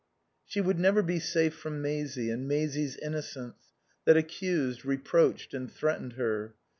She would never be safe from Maisie and Maisie's innocence that accused, reproached and threatened her.